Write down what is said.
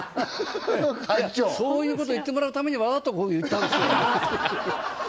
会長そういうこと言ってもらうためにわざとこう言ったんですよ